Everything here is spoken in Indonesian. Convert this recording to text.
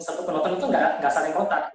satu penonton itu enggak saling kotak